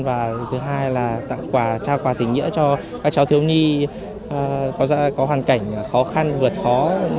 và thứ hai là tặng quà trao quà tình nghĩa cho các cháu thiếu nhi có hoàn cảnh khó khăn vượt khó